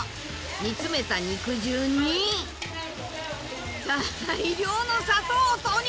煮詰めた肉汁に大量の砂糖を投入！